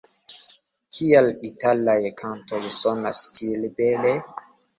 Kial italaj kantoj sonas tiel bele?